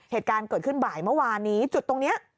เหตุการณ์เกิดขึ้นบ่ายเมื่อวานนี้จุดตรงนี้